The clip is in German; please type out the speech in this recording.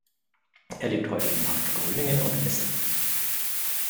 Er lebt heute in Markgröningen und Essen.